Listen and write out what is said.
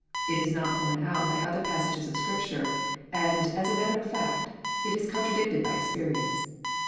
It is not borne out by other pas sages of Scripture, and, as a matter of fact, it is contradicted by experience.